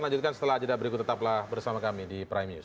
lanjutkan setelah jeda berikut tetaplah bersama kami di prime news